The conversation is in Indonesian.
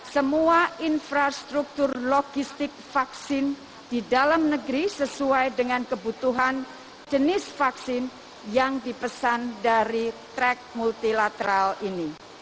semua infrastruktur logistik vaksin di dalam negeri sesuai dengan kebutuhan jenis vaksin yang dipesan dari track multilateral ini